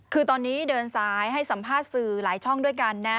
คือตอนนี้เดินซ้ายให้สัมภาษณ์สื่อหลายช่องด้วยกันนะ